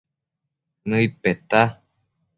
Nëid peta